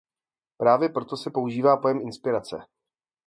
Právě proto se používá pojem inspirace.